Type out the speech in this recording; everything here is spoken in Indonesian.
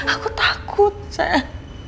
aku takut sayang